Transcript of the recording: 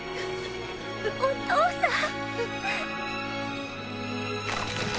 お父さん。